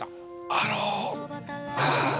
あの。